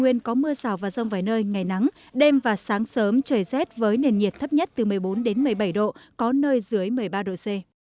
đêm có mưa rào và rông vài nơi ngày nắng đêm và sáng sớm trời rét với nền nhiệt thấp nhất từ một mươi bốn một mươi bảy độ có nơi dưới một mươi ba độ c